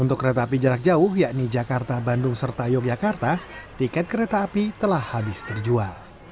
untuk kereta api jarak jauh yakni jakarta bandung serta yogyakarta tiket kereta api telah habis terjual